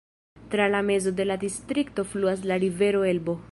Tra la mezo de la distrikto fluas la rivero Elbo.